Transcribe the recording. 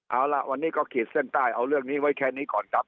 เอาล่ะวันนี้ก็ขีดเส้นใต้เอาเรื่องนี้ไว้แค่นี้ก่อนครับ